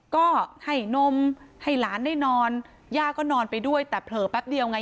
ก็ให้นมให้หลานได้นอนย่าก็นอนไปด้วยแต่เผลอแป๊บเดียวไง